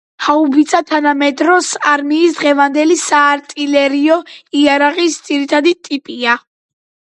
ჰაუბიცა თანამედრო არმიის, დღემდე საარტილერიო იარაღის ძირითადი ტიპია.